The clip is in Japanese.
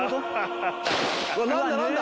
うわっ何だ何だ？